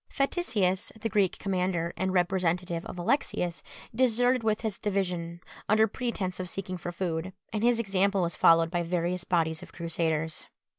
Faticius, the Greek commander and representative of Alexius, deserted with his division under pretence of seeking for food, and his example was followed by various bodies of Crusaders.